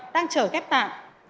đang chờ khép tạng